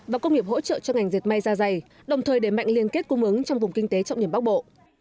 và công nghiệp hỗ trợ cho ngành diệt may ra dày đồng thời để mạnh liên kết cung ứng trong vùng kinh tế trọng điểm bắc bộ